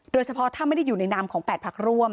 โดยเฉพาะถ้าไม่ได้อยู่ในนามของ๘พักร่วม